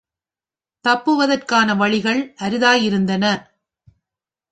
தப்புவதற்கான வழிகள் அரிதாயிருந்தன.